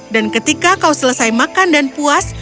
dan ketika kau selesai makan dan puas